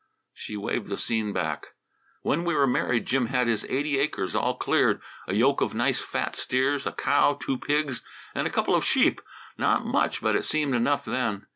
She waved the scene back. "When we were married, Jim had his eighty acres all cleared, a yoke of nice fat steers, a cow, two pigs, and a couple of sheep; not much, but it seemed enough then.